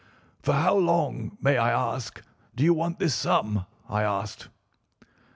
"'For how long, may I ask, do you want this sum?' I asked.